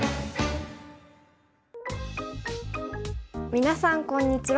皆さんこんにちは。